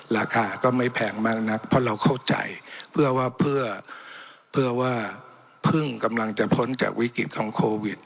ราคาก็ไม่แพงมากนักเพราะเราเข้าใจเพื่อว่าเพื่อว่าเพิ่งกำลังจะพ้นจากวิกฤตของโควิด